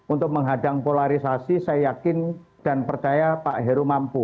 untuk menghadang polarisasi saya yakin dan percaya pak heru mampu